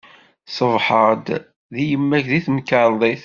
Ṣebḥeɣ-d deg yemma-k deg temkerḍit.